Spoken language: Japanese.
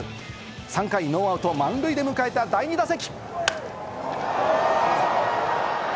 ３回、ノーアウト満塁で迎えた第２打席。